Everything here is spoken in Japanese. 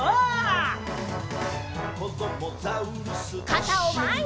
かたをまえに！